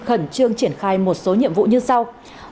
khẩn trương triển khai một số nhiệm vụ như sau